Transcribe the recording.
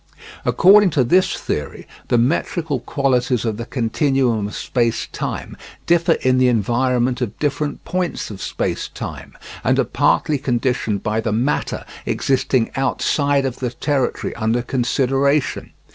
According to this theory the metrical qualities of the continuum of space time differ in the environment of different points of space time, and are partly conditioned by the matter existing outside of the territory under consideration.